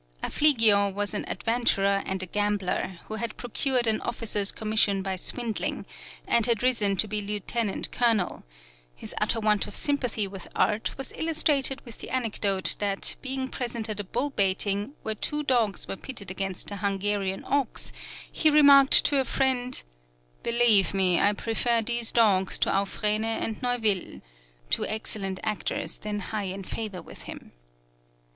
Affügio was an adventurer and a gambler, who had procured an officer's commission by swindling, and had risen to be lieutenant colonel; his utter want of sympathy with art was illustrated by the anecdote that being present at a bull baiting where two dogs were pitted against a Hungarian ox, he remarked to a friend, "Believe me, I prefer these dogs to Aufrene and Neuville" (two excellent actors, then high in favour with him).